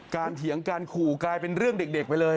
เถียงการขู่กลายเป็นเรื่องเด็กไปเลย